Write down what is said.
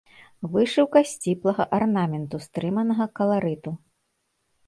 Вышыўка сціплага арнаменту, стрыманага каларыту.